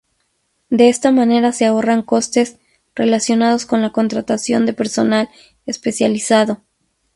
De esta manera se ahorran costes relacionados con la contratación de personal especializado.